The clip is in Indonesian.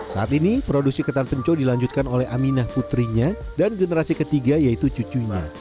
saat ini produksi ketan penco dilanjutkan oleh aminah putrinya dan generasi ketiga yaitu cucunya